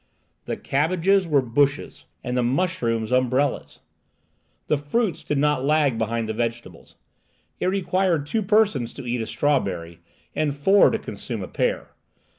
The cabbages were bushes, and the mushrooms umbrellas. The fruits did not lag behind the vegetables. It required two persons to eat a strawberry, and four to consume a pear.